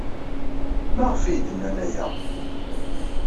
Maɣef ay iyi-d-nnan aya?